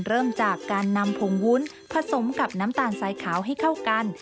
เริ่มจากการนำผงวุ้นผสมกับน้ำตาลสายขาวให้เข้ากัน